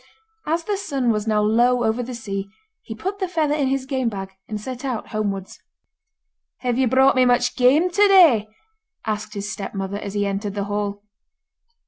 As the sun was now low over the sea he put the feather in his game bag, and set out homewards. 'Have you brought me much game to day?' asked his stepmother as he entered the hall.